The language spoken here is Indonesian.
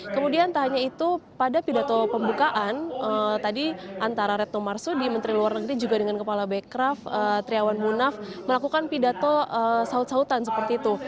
kemudian tak hanya itu pada pidato pembukaan tadi antara retno marsudi menteri luar negeri juga dengan kepala bekraf triawan munaf melakukan pidato sahut sahutan seperti itu